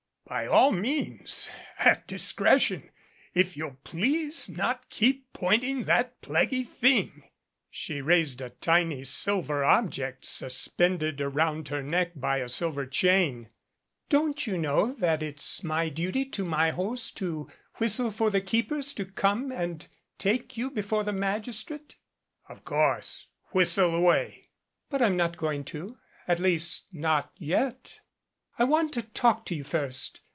"By all means at discretion if you'll please not keep pointing that plaguey thing " She raised a tiny silver object suspended around her neck by a silver chain. "Don't you know that it's my duty to my host to whistle for the keepers to come and take you before the magistrate?" 229 MADCAP "Of course. Whistle away." "But I'm not going to at least, not yet. I want to talk to you first.